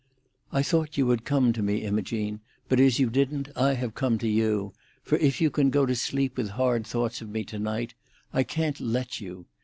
"I thought you would come to me, Imogene; but as you didn't, I have come to you, for if you can go to sleep with hard thoughts of me to night, I can't let you.